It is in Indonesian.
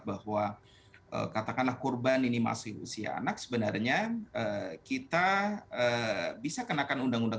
bahwa katakanlah korban ini masih usia anak sebenarnya kita bisa kenakan undang undang tujuh belas dua ribu enam belas